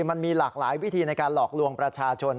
มันมีหลากหลายวิธีในการหลอกลวงประชาชน